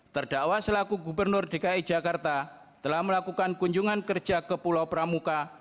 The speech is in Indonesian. terdakwa selaku gubernur dki jakarta telah melakukan kunjungan kerja ke pulau pramuka